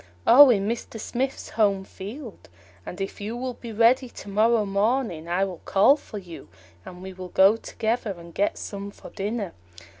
"Oh, in Mr. Smith's home field; and if you will be ready to morrow morning, I will call for you, and we will go together and get some for dinner."